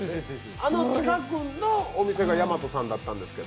あの近くのお店が、やまとさんだったんですけど。